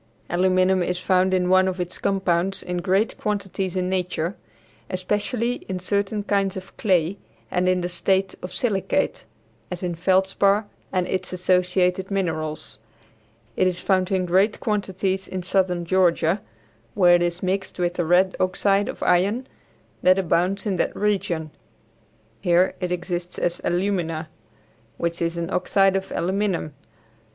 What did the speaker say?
Aluminum is found in one of its compounds in great quantities in nature, especially in certain kinds of clay and in a state of silicate, as in feldspar and its associated minerals. It is found in great quantities in southern Georgia, where it is mixed with the red oxide of iron that abounds in that region. Here, it exists as alumina, which is an oxide of aluminum.